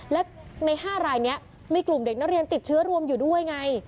และใน๕รายนี้มีกลุ่มเด็กนักเรียนติดเชื้อรวมอยู่ด้วยไง